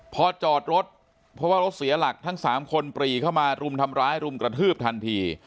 พอจอดรถเพราะว่ารถเสียหลักทั้ง๓คนปรีเข้ามารุมทำร้ายรุมกระทืบทันที